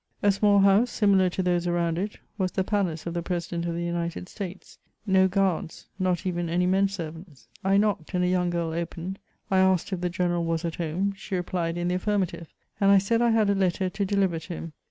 A small house, similar to those around it, was the palace of the President of the United States ; no guards, not even any men ser vants. I knocked, and a young girl opened ; I asked if the general was at home ; she replied m the affirmative, and I said I had a letter to deliver to him.